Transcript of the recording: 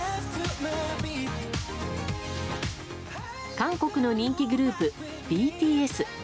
韓国の人気グループＢＴＳ。